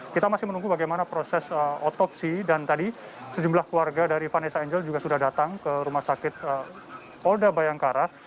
kita masih menunggu bagaimana proses otopsi dan tadi sejumlah keluarga dari vanessa angel juga sudah datang ke rumah sakit polda bayangkara